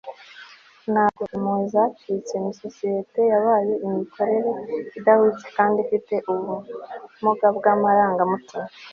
ntabwo impuhwe zacitse, ni societe yabaye imikorere idahwitse kandi ifite ubumuga bwamarangamutima